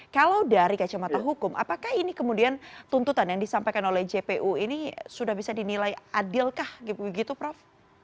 kalau dari kacamata hukum apakah ini kemudian tuntutan yang disampaikan oleh jpu ini sudah bisa dinilai adil kah begitu prof